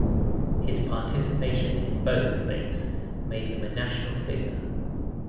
His participation in both debates made him a national figure.